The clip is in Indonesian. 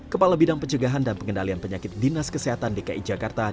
kepala bidang pencegahan dan pengendalian penyakit dinas kesehatan dki jakarta